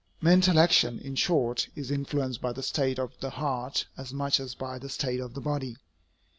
Mental action, in short, is influenced by the state of the heart as much as by the state of the body.